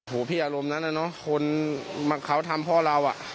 โหพี่อารมณ์นั้นนะคนเขาทำพ่อเรา